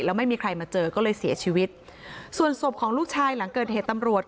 แล้วไม่มีใครมาเจอก็เลยเสียชีวิตส่วนศพของลูกชายหลังเกิดเหตุตำรวจ